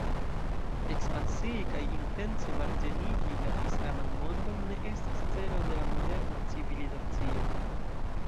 Ekspansii kaj intence marĝenigi la islaman mondon ne estas celo de la moderna civilizacio.